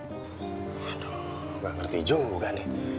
nggak ngerti juga nih